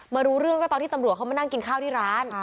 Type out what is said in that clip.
รู้เรื่องก็ตอนที่ตำรวจเขามานั่งกินข้าวที่ร้าน